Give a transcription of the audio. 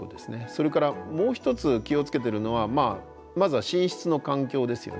それからもう一つ気を付けてるのはまずは寝室の環境ですよね。